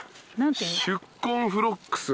宿根フロックス。